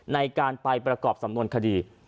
ในการไปประกอบสำนวนคดี